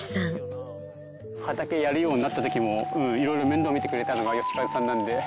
畑やるようになった時も色々面倒見てくれたのが嘉一さんなので。